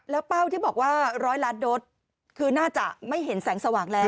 แล้วเป้าที่บอกว่า๑๐๐ล้านโดสคือน่าจะไม่เห็นแสงสว่างแล้ว